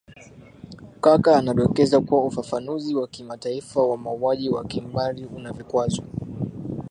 kakar anadokeza kuwa ufafanuzi wa kimataifa wa mauaji ya kimbari una vikwazo